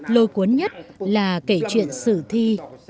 lôi cuốn nhất là kể chuyện sử thi